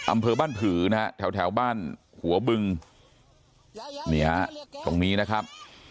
อำเภอบ้านผือนะฮะแถวแถวบ้านหัวบึงนี่ฮะตรงนี้นะครับ